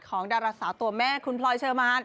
ดาราสาวตัวแม่คุณพลอยเชอร์มาน